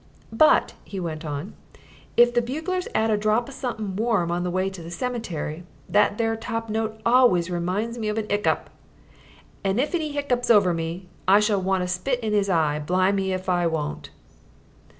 "But," he went on, "if the bugler's 'ad a drop o' somethin' warm on the way to the cemetery, that there top note always reminds me of a 'iccup. An' if 'e 'iccups over me, I shall wanter spit in 'is eye, blimey if I won't."